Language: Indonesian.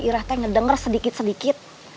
ini aku ngedenger sedikit sedikit